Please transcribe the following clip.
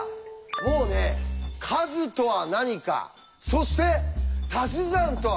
もうね「数」とは何かそして「たし算」とは何か。